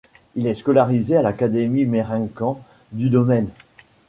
Il est scolarisé à l'académie Meirinkan du domaine.